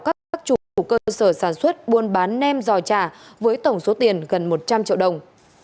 các chủ chủ cơ sở sản xuất buôn bán nem giò trà với tổng số tiền gần một trăm linh triệu đồng